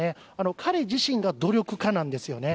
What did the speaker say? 彼自身が努力家なんですよね。